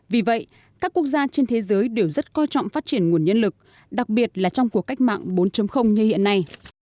vì vậy các quốc gia trên thế giới đều rất coi trọng phát triển nguồn nhân lực đặc biệt là trong cuộc cách mạng bốn như hiện nay